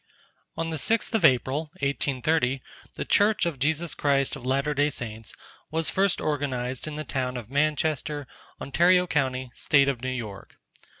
On the 6th of April, 1830, the "Church of Jesus Christ of Latter Day Saints," was first organized in the town of Manchester, Ontario co., state of New York.